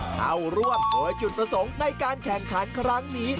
เข้าร่วมโดยจุดประสงค์ในการแข่งขันครั้งนี้